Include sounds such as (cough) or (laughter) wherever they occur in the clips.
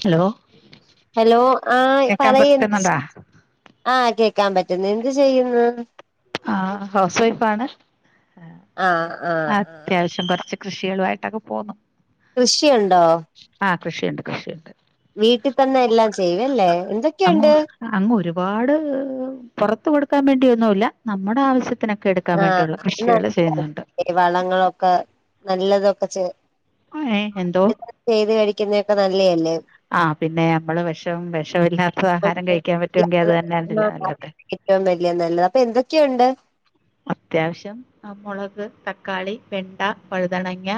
Hello hello ആഹ് കേക്കാൻ പറയ്. പറ്റുന്നുണ്ടാ ആഹ് കേക്കാൻ പറ്റുന്ന്. എന്ത് ചെയ്യുന്നു? ആഹ് ഹൗസ് വൈഫാണ്. ഹാ ആ പിന്നെ ആ ആ അത്യാവശ്യം കൊർച്ച് കൃഷികളു ആയിട്ടൊക്കെ പോവുന്നു. കൃഷിയുണ്ടോ? ആഹ് കൃഷിയുണ്ട് കൃഷിയുണ്ട്. വീട്ടി തന്നെ എല്ലാം ചെയ്യും അല്ലേ. അങ്ങ് എന്തൊക്കെയുണ്ട്? അങ്ങ് ഒരുപാട് പൊറത്ത് കൊടുക്കാ മേണ്ടിയൊന്നുല്ല നമ്മുടെ ആവശ്യത്തി ത്തിനക്കെ എട്ക്കാവേണ്ടിയുള്ള കൃഷികൾ ചെയ്യുന്നുണ്ട് ഈ വളങ്ങളൊക്കെ നല്ലതൊക്കെ ചേ ഒഹ് ഏഹ് എന്തോ ചെയ്ത് കഴിക്ക്യുന്നേക്ക നല്ലേയല്ലേ ആഹ് പിന്നെ അമ്മള് വെഷം വെഷൊല്ലാത്ത ആഹാരം കഴിക്ക്യാൻ പറ്റ്യൊങ്കി അത് തന്നെ അംദ്രുരില്ലാ അഹ് നല്ലതെ ഏറ്റവും വല്യയ നല്ലത് അപ്പെന്തൊക്കെയുണ്ട് അത്യാവശ്യം ആഹ് മൊളക് തക്കാളി വെണ്ട വഴുതനങ്ങ്യ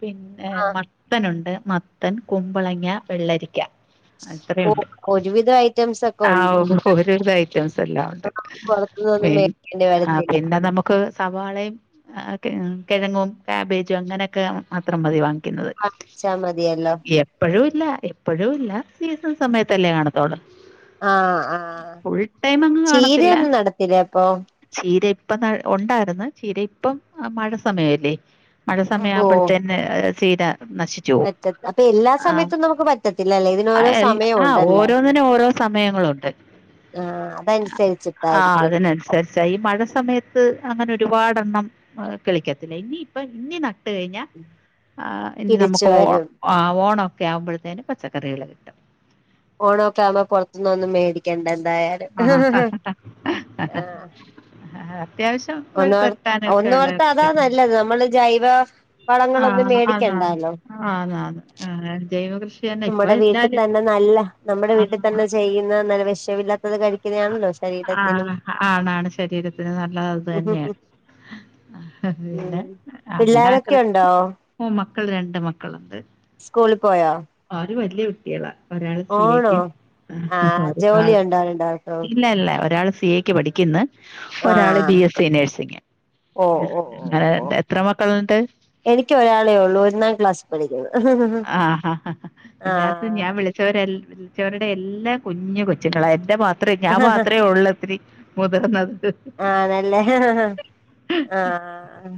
പിന്നെ ആ മത്തനുണ്ട് മത്തൻ കുമ്പളങ്ങ്യ വെള്ളരിക്ക്യ ഓ അത്രയുണ്ട് ഒരുവിധം ഐറ്റംസ് ഒക്കെ ഉണ്ട് ആഹ് ഓരോതായി റ്റംസ് എല്ലാം ഉണ്ട് പുറത്തുനിന്നൊന്നും പിൻ മേടിക്കേണ്ടി അഹ് വരത്തില്ല പിന്നെ നമുക് ക്ക്‌ സവാളയും കിഴം കിഴങ്ങും കേബേജും അങ്ങനെയൊക്കെ മാത്രം മതി വാങ്ങിക്യുന്നത് അച്ചാമതിയല്ലോ എപ്പഴൂല്ല എപ്പഴൂല്ല സീസൺ സമയത്തല്ലേ കാണത്തൊളു ആഹ് ആഹ് അങ്ങ് കാണത്തില്ല ചീരയൊന്നും നടത്തില്ലേ അപ്പൊ ചീര ഇപ്പം നട് ഉണ്ടാര്ന്ന് ചീര ഇപ്പം മഴ സമയല്ലേ മഴ ഓ സമയാമ്പഴ്ത്തന്നെ ചീര നശി ച്ചോപ് പറ്റ അപ്പൊ എല്ലാ ആഹ് സമയത്തും നമുക്ക് പറ്റത്തില്ലല്ലേ ഇതിനോരോ ആഹ് എൽ സമയം ആഹ് ഉണ്ടല്ലേ ഓരോന്നിനു ഓരോസ് സമയങ്ങളുണ്ട് ആഹ് അതൻസരിച്ചിട്ടായിരിക്ക്യും ചഈ മഴ സമയത്ത് അങ്ങനെ ഒരുപാടണ്ണം കിളിക്ക്യത്തില്ല ഇനിയിപ്പ ഇഞി നട് ട്ട് കഴിഞ്ഞാ ആഹ് ഇന് തിരിച്ചു നമൊക്ക് ഓഹ് വരും ഓണം ഒക്കെ ആവുമ്പഴ്ത്തേനും പച്ചക്കറികള് കിട്ടും ഓണോക്കെ ആവുമ്പോ പൊറത്ത്ന്നൊന്നും മേടിക്ക്യണ്ട എന്തായ ആഹ് ആഹ് അത്യാവശ്യം ഒര് ഒന്നോർ കൊറ്റാനൊക്കെള്ളെ ഒന്നോർത്താ അതാ സ്‌പെട് നല്ലത് നമ്മള് ജൈവ ആഹ് വളങ്ങളൊന്നും ന്ന അതാൺ മേടിക്കണ്ടാലോ ആതാതെ ആഹ് ജൈവ കൃഷ് ഉമ്മടെ വീട്ടിതന്നെ നല്ല നമ്മടെ ആ, വീട്ടി തന്നെ ചെയ്യുന്ന നല്ല വിഷമില്ലാത്തത് കഴി ആഹ് ആണാണ് ശരീരത്തിന് നല്ലത് അത് തന്നെയാണ് പിന്നെ ഉം അങ്ങനെ പിള്ളോരൊക്കെ ആക്രി ഉണ്ടോ ഓഹ് മക്കൾ രണ്ട് മക്കള്ണ്ട് സ്കൂളിൽപോയോ അവര് വല്യയ കുട്ട്യേളാ ഒരാള് സി ഐ ക്ക്യും ആഹ് ഒരാൾ ണ്ടണ്ടർത്തോ ല്ല ല്ലാ ഒരാൾ സി ഐ ക്ക് പഠിക്ക്ന്ന് ഒരാള് ആഹ് ബി എസ് സി നേഴ്സിങ് ഓ ആഹ് ഓ ഓ ഇങ്ങളെ ഓ എൻ്റെ എത്ര മക്കൾണ്ട് എനിക്ക് ഒരാളേ ഉള്ളൂ ഒന്നാം ക്ലാസ് പഠിക്ന്ന് ആഹ് ഇതിനകത്ത് ഞ്യാം വിളി ച്ചോരെൽ വിൽച്ചോരുടെ എല്ലാം കുഞ്ഞു കൊച്ചുങ്ങളാ എന്റെ മാ ത്രേ ഞ്യാമാത്രേ ഉള്ളത്തിരി മുതിർന്നത് ആണല്ലേ ആഹ്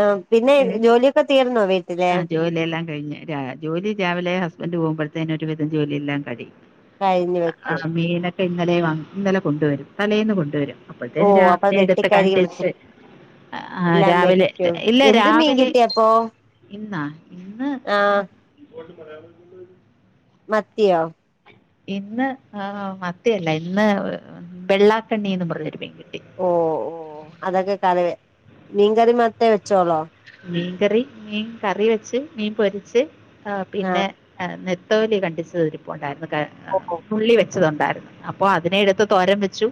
ആം പിന്നെ ഏഹ് ജോലിയൊക്കെ തീർന്നോ വീ ആഹ് ജോലിയെല്ലാം കഴിഞ്ഞ് രാ ജോലി രാവിലെ ഹസ്ബൻന്റ് പോവുമ്പഴ്ത്തേനൊരുവിധം ജോലിയെല്ലാം കഴിയും കഴിഞ്ഞ് അഹ് വെക്കും ആഹ് മീനൊക്കെ ഇന്നലെ വാങ്ങും ഇന്നലെ കൊണ്ടുവരും തലേന്ന് കൊണ്ടുവരും ഓ അപ്പത്തേൻ അപ്പൊ രാവിലെ എട്ത്ത് വെട്ടിക്കഴുകി വൃത്തി കണ്ടിശ്ശ് ആഹ് എല്ലാം രാവിലെ വെക്കും ഇല്ല എന്ത് മീൻ രാവിലെ കിട്ടിയപ്പോ ഇന്നാ ഇന്ന് ആഹ് അഹ് ഇങ്ങോട്ട് പറയാമെന്ന് (unintelligible) മത്തിയോ? ഇന്ന് മത്തിയല്ല ഇന്ന് വെള്ളാക്കണ്ണിന്ന് പറഞ്ഞൊരു മീൻ കിട്ടി. ഓഹ് ഓഹ് അതൊക്കെ കറിവെ മീൻ കറിമാത്രേ വെച്ചോളോ? മീൻകറി, മീൻ കറി വെച്ച്, മീൻ പൊരിച്ച്, ഏഹ് ആഹ് പിന്നെ നാത്തോലി കണ്ടിച്ചത് ഇരിപ്പുണ്ടായിരുന്നു ഓ ഓ ഉള്ളി വെച്ചതുണ്ടായിരുന്നു അപ്പൊ അതിനെ എടുത്ത് തോരം വെച്ചു.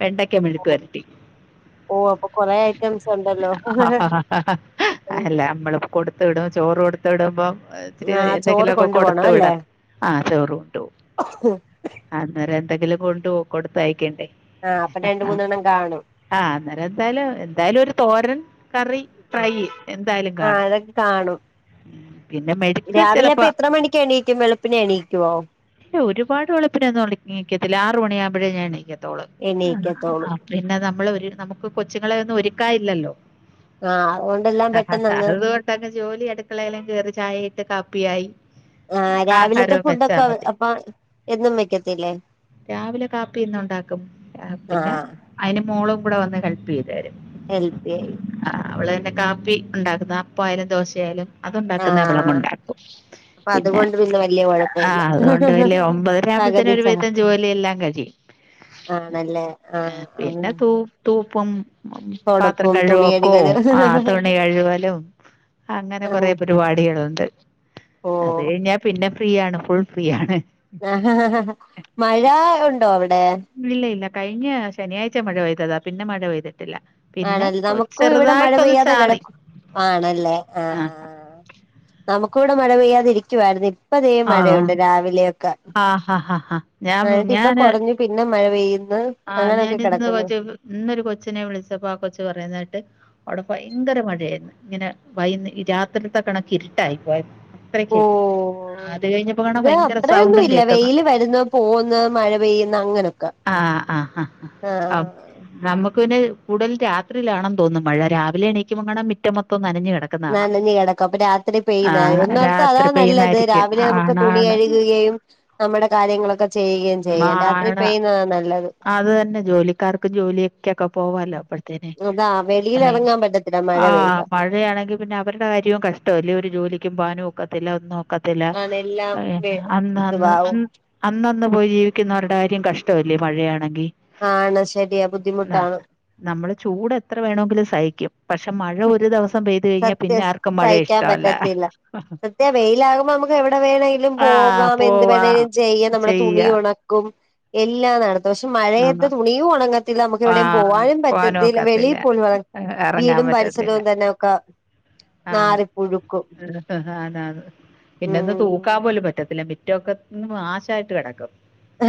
വെണ്ടക്കെ മെഴുക്ക് ഓ വരട്ടി. ഓ അപ്പൊ കൊറേ ഐറ്റംസ് ഉണ്ടല്ലോ (unintelligible) അല്ല അമ്മള് കൊടുത്തുവിടും ചോറ് കൊടുത്ത് കൊടുത്ത് വിടുമ്പം ഇത്തിരി ആഹ് ചോറ് എന്തെങ്കിലുമൊക്കെ കൊണ്ടു പോണം കൊടുത്തു അല്ലേ വിടാൻ ആ ചോർ കൊണ്ട് പോവും. അന്നേരം എന്തെങ്കിലും കൊണ്ട്പോ കൊടുത്തയക്കണ്ടേ. ആഹ് അപ്പൊ രണ്ട് മൂന്നെണ്ണം കാണും. ആഹ് അന്നേരം എന്തായാലും എന്തായാലും ഒരു തോരൻ കറി. ഫ്രൈ എന്തായാലും കാണും ആഹ് (unintelligible) കാണും ഉം. പിന്നെ മെഴുക്ക് രാവിലെ അപ്പൊ ചിലപ്പോൾ എത്ര മണിക്ക് എണീക്കും വെളുപ്പിനെ എണീക്കുവോ? ഇല്ല ഒരുപാട് വെളുപ്പിനൊന്നുംണിക്കത്തില്ല ആർ മണിയാകുമ്പോഴേ ഞാൻ എണീക്കത്തോള്ളു. എണീക്കത്തോളൂ പിന്നെ നമ്മൾ ഒരു നമുക്ക് കൊച്ചുങ്ങളെ ഒന്നും ഒരുക്കാനില്ലല്ലോ. ആഹ് അതുകൊണ്ടെല്ലാം പെട്ടെന്നങ്ങ് അതുകൊണ്ട് ജോലി അടുക്കളേലും കയറി ചായയിട്ട് കാപ്പിയായി ആ രാവിലത്തെ ആഹാരവും വെച്ചാൽ ഫുഡൊക്കെ മതി അപ്പൊ എന്നും വെക്കത്തില്ലേ? രാവിലെ കാപ്പി ഇന്നും ഉണ്ടാക്കും. പിന്നെ ആഹ് അതിന് മോളും കൂടെ വന്ന് ഹെൽപ് ചെയ്തു തരും. ഹെല്പ്പിയായി. ആഹ് അവള് തന്നെ കാപ്പി ഉണ്ടാക്കുന്ന, അപ്പആയാലും ദോശ ആയാലും അതുണ്ടാക്കുന്ന അവളങ് ആഹ് ഉണ്ടാക്കും, അപ്പൊ പിന്നെ അതുകൊണ്ട് വല്യ കുഴപ്പമില്ല ആഹ് അതുകൊണ്ട് അല്ല ഒമ്പതര ആവുമ്പഴത്തേന് പകുതി ഒരു സഹ വീധം ജോലില്ലാം കഴിയും. ആണല്ലേ ഏഹ് ആഹ് പിന്നെ ഉം. തൂ തൂപ്പും പാത്രം കഴിവൊക്കോ തുണികഴുകലും ആഹ് തുണി കഴുകലും. അങ്ങനെ കൊറെ ആഹ് പരിപാടികളുണ്ട് അത് ഓഹ് കഴിഞ്ഞ പിന്നെ ഫ്രീയണ് ഫുൾ ഫ്രീ ആണ്. ആഹ് ഹാ ഹാ ഹാ മഴ ഉണ്ടോ അവിടെ? ഇല്ല ഇല്ല കഴിഞ്ഞ ശനിയാഴ്ച മഴ പെയ്തതാ പിന്നെ മഴ പെയ്തിട്ടില്ല. പിന്നെ ആണല്ലേ നമുക്കു ഇവിടെ മഴ ചെറുതായിട്ടൊന്ന് പെയ്യാതെ ചാറി കിടക്കും ആണല്ലേ ആഹ്. നമുക്കിവിടെ മഴ പെയ്യാതിരിക്കുവായിരുന്ന ഇപ്പൊ ഇതേ ആണോ? മഴയുണ്ട് രാവിലെയൊക്കെ ആഹ് ഹ ഹ ഹ ഞാൻ എന്നിട്ട് ഇപ്പൊ ഞാന് കുറഞ് പിന്നെ മഴ പെയ്ന്ന്. ആഹ് ഞാൻ ഇന്ന് കൊച്ച ഇന്നൊരു കൊച്ചിനെ വിളിച്ചപ്പോ ആ കൊച്ചു പറയുന്ന കേട്ട് അവിടെ ഭയങ്കര മഴയായിരുന്നു ഇങ്ങനെ വൈക രാത്രിത്തെ കണക്കി ഇരിട്ടായി പോയ (unintelligible) ഓഹ് ഇത് അത്രയൊന്നും സൗണ്ടും ഇല്ല. കേൾക്കുന്നു വെയില് വരുന്ന്, പോകുന്ന്, മഴ പെയ്യുന്ന് അങ്ങനൊക്കെ. ആഹ് ആഹാ അഹ് ആഹ് നമ്മുക്ക് പിന്നെ കൂടുതൽ രാത്രിയിലാണന്നു തോന്നുന്നു മഴ. രാവിലെ എണീക്കുമ്പോ കാണാം മുറ്റം മൊത്തം നനഞ്ഞു കിടക്കും. നനഞ്ഞ് കിടക്കും. അപ്പൊ രാത്രി പെയ്യുന്നതാ. ഒന്നോർത്താ അതാ രാത്രി നല്ലത് പെയ്യുന്നായിരിക്കും രാവിലെ നമുക്ക് തുണി ആണാണ് കഴുകുകയും നമ്മുടെ കാര്യങ്ങളൊക്കെ ചെയ്യുകയും ചെയ്യാം. രാത്രി ആണ് പെയ്യുന്നതാ നല്ലത്. അത് തന്നെ ജോലിക്കാർക്ക് ജോലി ക്കൊക്കെ പോവാലോ അപ്പഴത്തേന്. അതാ വെളിയിൽ അല്ലെ. ഇറങ്ങാൻ പറ്റത്തില്ല മഴ ആഹ് പെയ്താ മ യാണെങ്കിൽ പിന്നെ അവരുടെ കാര്യവും കഷ്ടമല്ലേ ഒരു ജോലിക്കും പോവോനും ഒക്കത്തില്ല ഒന്നും ഒക്കത്തില്ല. ആണ് എല്ലാം പിന്നെ വേ അന്ന്അന്ന് ഇതുവാവും അന്നന്ന് പോയി ജീവിക്കുന്നവരുടെ കാര്യം കഷ്ടല്ലേ മഴയാണെങ്കി. ആണ് ശരിയാ ബുദ്ധിമുട്ടാണ്. നമ്മള് ചൂട് എത്ര വേണേങ്കിലും സഹിക്കും പക്ഷെ മഴ ഒരു ദിവസം പെയ് ത് കയ്ഞ്ഞാ പിന്നെ സത്യം ആർക്കും മയേ ഇഷ്ടല്ല. വെയിലാവുമ്പോ നമുക്ക് എവിടെ വേണെങ്കിലും ആ പോകാം എന്ത് പോവാ വേണമെങ്കിലും ചെയ്യാം. നമ്മുടെ തുണി ചെയ്യാ യൊണ ക്കും എല്ലാം നട പക്ഷെ മഴയത്ത് ആന്ന് തുണിയും ഒണങ്ങത്തില്ല നമുക്ക് ആ എവിടെയും പോവാനും പോകാനും പറ്റത്തില്ല ഒക്കത്തില്ല വെളിയിൽ പോലും ഇറങ്ങാൻ വീടും പറ്റത്തില്ല പരിസരവും തന്നെൊക്കെ നാറിപ്പുഴു ആന്ന് ആന്ന് പിന്നെ ഒന്ന് ഉം തൂക്കാൻ പോലും പറ്റത്തില്ല മി മുറ്റൊക്കെ നാശായിട്ട് കെടക്കും.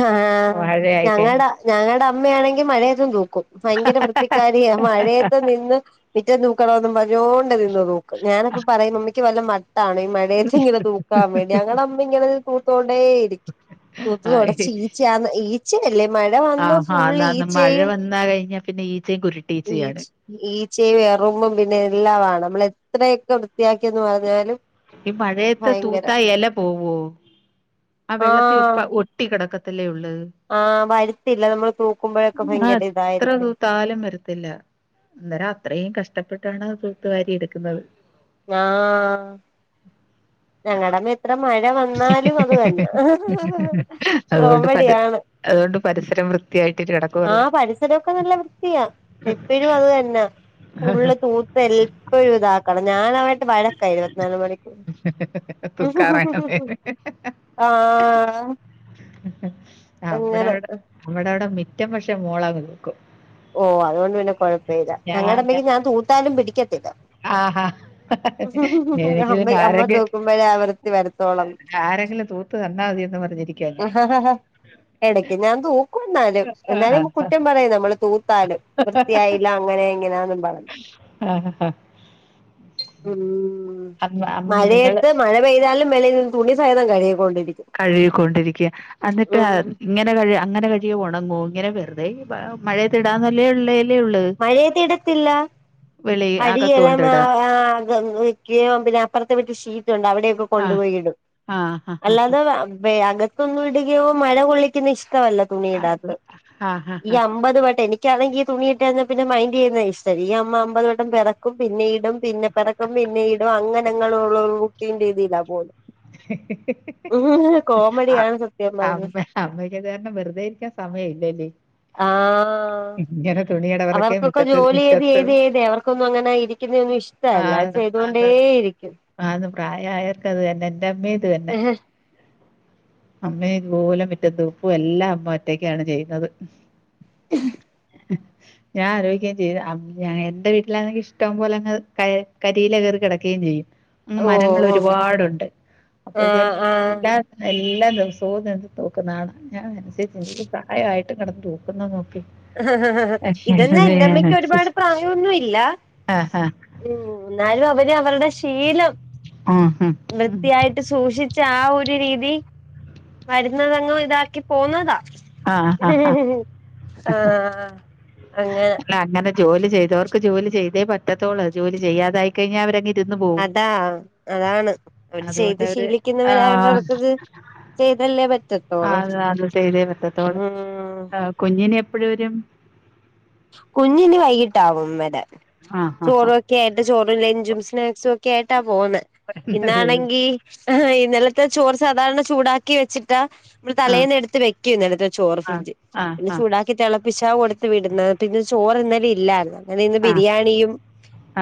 ആഹ് ഞങ്ങടെ ഞങ്ങടെ അമ്മയാണെങ്കി മഴയത്തും തൂക്കും. ഭയങ്കര വൃത്തിക്കാരിയാ മഴയത്ത് നിന്ന് മിറ്റം തൂ ക്കണോന്ന് പറഞ്ഞോണ്ട് നിന്നു തൂക്കും ഞാനപ്പോ പറയും മമ്മിക്ക് വല്ല വട്ടാണോ ഈ മയ ഏത്ത് ഇങ്ങനെ തൂക്കാൻ വേണ്ടി ഞങ്ങടെ അമ്മ ഇങ്ങനെ തൂത്തോണ്ടേ ഇരിക്കും. ആ തൂത്തുതുടച്ച് ഈ- ഈച്ചയാന്ന് ഈച്ചയല്ലേ മഴ വന്നാ ഫുള്ള് ഈച്ചയും ന്നാ കയ്ഞ്ഞാ പിന്നെ ഈച്ചയും കുരു ഈച്ച ഈച്ചയും എറുമ്പും പിന്നെ എല്ലാമാണ് നമ്മള് എത്രയൊക്കെ വൃത്തിയാക്കിന്ന് പറഞ്ഞാലും ഈ മഴയത്ത് ഭയങ്കരം തൂത്താ എല പോവോ? ആ ആഹ് വെള്ളത്തിപ്പ ഒ ട്ടികെടക്കത്തല്ലേ ഒള്ള്. ആഹ് വരത്തില്ല നമ്മള് തൂക്കുമ്പോഴൊക്കെ ഭയങ്കര ഇതായിരിക്കും. ത്താലും വരത്തില്ല അന്നേരം അത്രയും കഷ്ടപ്പെട്ടാണ് തൂത്തുവാരി എട്ക്ക്ന്നത്. ആഹ് ഞങ്ങടെ മിത്ര മഴ വന്നാൽ അത് തന്നെ കോമഡിയാണ്. അതോണ്ട് പരിസരം വൃ ത്തിയായിട്ട് കെടക്കും. ആഹ് പരിസരൊക്കെ നല്ല വൃത്തിയാ എപ്പഴും അത് തന്നാ ഫുള്ള് തൂ എൽപ്പഴും ഇതാക്കണം ഞാന വഴക്കാ ഇരുവത്തിനാല് മണിക്കൂ തൂക്കാറാണ് ആഹ്. അങ്ങനെ നമ്മടവടെ ഞമ്മടവടെ മിറ്റം പക്ഷേ മോളാന്ന്ള്ളൂ ഓഹ് അതുകൊണ്ട് പിന്നെ കൊഴപ്പീല ഞങ്ങെടെ ഞാൻ തൂത്താനും പിടിക്കത്തില്ല. ആഹ് ഹാ. എനിക്ക് അമ്മ പിന്നെ അമ്മ ആരെങ്കി തൂക്കുമ്പോഴേ ആ വൃത്തി വരത്തോളം ആരെങ്കിലും തൂ ത്ത് തന്നാമതിന്ന് പർഞ്ഞിരിക്കാ ഞാൻ. എടയ്ക്ക് ഞാൻ തൂ ക്കും എന്നാലും ആഹ് ആഹ് എന്നാലും കുറ്റം പറയും നമ്മള് തൂത്താലും വൃത്തിയായില്ല അങ്ങനെ ഇങ്ങനാന്നും പർഞ്ഞ്. ആഹ് ഹാ. ഉം അമ്മ നിങ്ങള് മയെത്ത് മഴ പെയ്താലും മേലെ തുണി സഹിതം കഴ്കിക്കൊണ്ടിരിക്കും. കഴുകിക്കൊണ്ടിരിക്ക്യാ എന്നിട്ട് ഇങ്ങനെ കഴു അങ്ങനെ കഴുക്യാ ഒണങ്ങോ? ഇങ്ങനെ വെറ്തെ മഴയത്തിടാൻന്നല്ലേ ഒള്ളേ. മഴയത്തിടത്തില്ല വെളി അകത്ത് അടിയല്ല മ കൊണ്ടിടാം അ വിക്കിയും പിന്നപ്പർത്തെ വീട്ടിൽ ഷീറ്റുണ്ട് അവിടൊക്കെ ആഹ് കൊണ്ടുപോയിടും ആഹ് ആഹ് അല്ലാതെ വ വേ അകത്തൊന്നും ഇടുകയോ മഴ കൊള്ളിക്കുന്നെ ഇഷ്ട്ടവല്ല. ആഹ് അത് തുണിയിടാത്തെ ആഹ് ആഹ് ഈ അമ്പത് വട്ടം എനി ക്കാണെങ്കി ഈ തുണിയിട്ടയ്ഞ്ഞാ പിന്നെ മൈന്ഡെയ്യുന്ന ഇഷ്ട്ടല്ല ഈ അമ്മ അമ്പത് വട്ടം പെറക്കും പിന്നെ ഇ ടും പിന്നെ പെറക്കും പിന്നെ ഇടും അങ്ങനങ്ങനുള്ള റുട്ടീൻ രീതിയിലാ പോവുന്നെ ഹ് ഹ് ഹ്. അ സത്യം പറഞ്ഞ അമ്മ അമ്മക്ക് അത് കാരണം വെറുതെ ഇരിക്കാൻ സമയം ഇല്ലല്ലേ ആഹ് ഇങ്ങനെ തുണി കിടവറക്കെ അവർക്കൊക്കെ മുറ്റത്ത് ജോലി ചെയ്ത് മുറ്റത്ത് ചെയ്ത് ചെയ്ത് അവർക്കൊന്നും അങ്ങനെ ഇരിക്കുന്ന ഒന്നും ഇഷ് ട്ടെല്ലാം ആഹ് ചെയ്തുകൊണ്ടേ ആന്ന് ഇരിക്കും. ആന്ന് പ്രായായർക്ക് അത് തന്നെ എന്റെ അമ്മേ ഇത് തന്നെ അമ്മേം ഇതുപോല മിറ്റം തൂപ്പും എല്ലാം അമ്മ ഒറ്റക്കാണ് ചെയ്യുന്നത് ഹ്. ഞാൻ ആലോയ്ക്കയും ചെയ്യും എന്റെ വീട്ടിലാണെങ്കി ഇഷ്ട്ടം പോലങ്ങ് ക കരിയില കേറി കെടക്കയും ചെയ്യും. അന്ന് ഓ മരങ്ങൾ ഓ ഒരുപാടുണ്ട് ആഹ് അപ്പോഴത്തേക്ക് ആഹ് (unintelligible) എല്ലാ ദിവസവും നിന്ന് തുക്കുന്നതാണ് ഞാൻ മനസി ചിന്തിക്കും ഈ പ്രായായിട്ട് കെടന്ന് തൂക്കുന്ന നോക്ക് ഇതന്നാ എന്റെമ്മക്ക് ഒരുപാട് പ്രായൊന്നും ഇല്ല ആഹാ ഉം എന്നാലും അവര് അവരുടെ ശീലം ഉം ഉം ഉം വൃത്തിയായിട്ട് ട്ട് സൂക്ഷിച്ച ആ ഒരു രീതി വരുന്നതങ്ങും ഇതാക്കി പോവുന്നതാ. ആഹ് ആഹ് ആഹ് അങ്ങനെ അല്ല അങ്ങനെ ജോലി ചെയ്തവർക്ക് ജോലി ചെയ്തേ പറ്റത്തുള്ളൂ ജോലി ചെയ്യാതായി കഴിഞ്ഞ അവരങ്ങ് ഇ ര്ന്ന് പോവും അതാ അതാണ് അവര് അതുകൊണ്ട് ചെയ്ത് അവര് ശീലിക്കുന്നവരായോണ്ട് ആഹ് അവർക്കത് ചെയ്തല്ലേ പറ്റത്തോളൂ ആത് അത് ചെയ്തേ പറ്റത്തൊള്ള് ഉം ആഹ് കുഞ്ഞിനി എപ്പഴ് വരും കുഞ്ഞിനി വൈകിട്ടാവും വരാൻ ആ ആ ആ ചോറ് വെ ക്കെ ആയിട്ട് ചോറും ലഞ്ചും സ്നാക്സും ഒക്കെ ആയിട്ടാ പോവുന്നെ വരുന്നത് ഇന്നാണെങ്കി ഇന്നലത്തെ ചോറ് സാധാരണ ചൂടാക്കി വെച്ചിട്ടാ നമ്മള് ആഹ് തലേന്ന് എടുത്ത് വെക്കും ഇന്നലെത്തെ ചോറ് ആഹ് ഫ്രിഡ്ജി ആഹ് പിന്നെ ആഹ് ചൂടാക്കി തെളപ്പിച്ചാ കൊടുത്ത് വിടുന്നത് പിന്നെ ചോറ് ഇന്നലെ ഇല്ലായിരുന്നു അങ്ങനെ ഇന്ന് ആഹ് ബിരിയാണിയും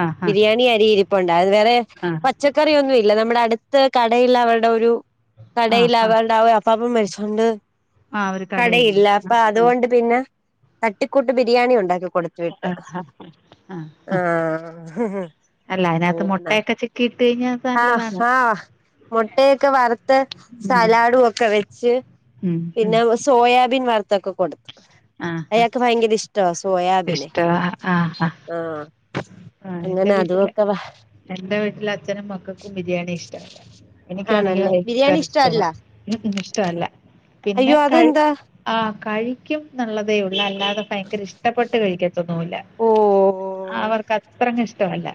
ആഹ് ബിരിയാണി അരി ഇരിപ് പ്പുണ്ടായിരുന്ന് അത് വേറെ ആഹ് ച്ചക്കറിയൊന്നും ഇല്ല നമ്മുടെ അടുത്ത കടേൽ അവരുടെ ഒരു ആഹ് കടേൽ ആഹ് ആഹ് അവരുടെ ആ ഒര് അപ്പാപ്പൻ മരിച്ചോണ്ട് ആഹ് ഒരു കടയിൽ കടയില്ല അപ്പ ആഹ് ആഹ് അതുകൊണ്ട് പിന്ന തട്ടിക്കൂട്ട് ബിരിയാണി ഉണ്ടാക്കി കൊടുത്തു വിട്ടു ആഹ് ആഹ് ആഹ് അല്ല അയ്നകത്ത് അങ്ങനെ മുട്ടയൊക്കെ ചിക്കി ഇട്ട് കഴിഞ്ഞാ ആഹ് നല്ലതാണ്. ആഹ് മുട്ടയൊക്കെ വറുത്ത് ഉം സലാഡും ഒക്കെ വെച്ച് ഉം പിന്ന ഉം (unintelligible) സോയാബീൻ വറുത്തൊക്കെ കൊടുത്ത് ആഹ് ആഹ് അയാക്ക് ഭയങ്കര ഇഷ് സോയാബിനെ ഇഷ്ടവാ ആഹ് ആഹ് ആഹ് എന്റെ അങ്ങനെ വീട്ടില് അതുഒക്കെ വർ എന്റെ വീട്ടിൽ അച്ഛനും മക്കക്കും ബിരിയാണി ഇഷ്ട്ടല്ല എനിക്കാണെങ്കി ആണല്ലേ ഭയങ്കര ബിരിയാണി ഇഷ്ട്ടവ ഇഷ്ടല്ല ഉം ഇഷ്ട്ടവല്ല പിന്നെ അയ്യോ കഴി അതെന്താ ആഹ് കഴിക്കുംന്നുള്ളതേ ഉള്ളു അല്ലാതെ ഭയങ്കര ഇഷ്ടപ്പെട്ട് കഴിക്കത് ത്തൊന്നുല്ല ഓഹ് അവർക്ക് അത്രങ്ങ് ഇഷ്ട്ടവല്ല.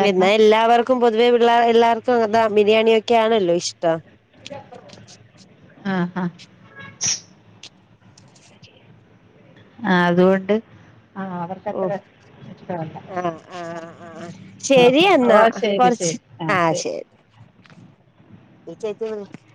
പിന്നെ എല്ലാവർക്കും പൊതുവേ പിള്ളേർ എല്ലാർക്കും അത ബിരിയാണിയൊക്കെ ആണല്ലോ ഇഷ്ട്ടം. ആഹ് ആഹ് ആഹ് അതുകൊണ്ട് ആഹ് ഓഹ് അവർക്കത്ര ഇഷ്ടമല്ല ആഹ് ആഹ് ആഹ് ശെരി എന്നാ ഓ ശരി കൊറച്ച് ശരി ആ ആഹ് ശരി ശെരി (unintelligible)